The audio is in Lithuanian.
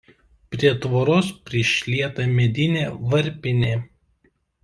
Prie tvoros prišlieta medinė varpinė.